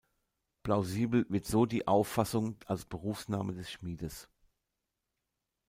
Plausibel wird so die Auffassung als Berufsname des Schmiedes.